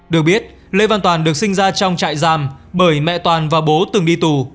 được biết lê văn toàn được sinh ra trong trại giam bởi mẹ toàn và bố từng đi tù